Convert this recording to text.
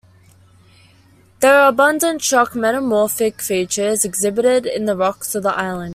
There are abundant shock metamorphic features exhibited in the rocks of the island.